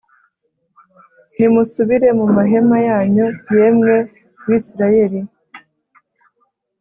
nimusubire mu mahema yanyu, yemwe Bisirayeli